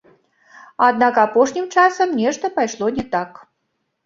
Аднак апошнім часам нешта пайшло не так.